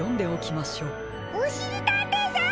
おしりたんていさん！